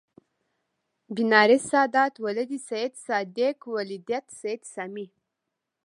بنارس سادات ولد سیدصادق ولدیت سید سامي